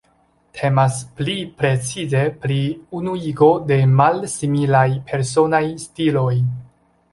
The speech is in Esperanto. Temas pli precize pri unuigo de malsimilaj personaj stiloj.